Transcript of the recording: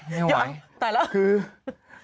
ยังตายแล้ว